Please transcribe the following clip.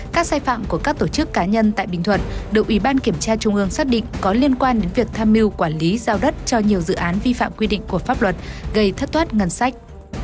các sai phạm của các tổ chức cá nhân tại bình thuận được ủy ban kiểm tra trung ương xác định có liên quan đến việc tham mưu quản lý giao đất cho nhiều dự án vi phạm quy định của pháp luật gây thất thoát ngân sách